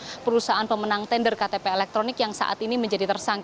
salah satu perusahaan pemenang tender ktp elektronik yang saat ini menjadi tersangkut